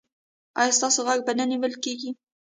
ایا ستاسو غږ به نه نیول کیږي؟